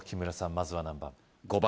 まずは何番？